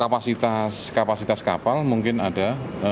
kapasitas kapal mungkin ada